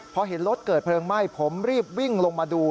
พอเห็นรถเกิดเพลิงไหม้ผมรีบวิ่งลงมาดู